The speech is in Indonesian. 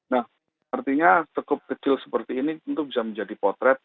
nah artinya tekup kecil seperti ini tentu bisa menjadi potret